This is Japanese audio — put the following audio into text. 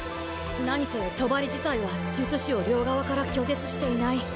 何せ帳自体は術師を両側から拒絶していない。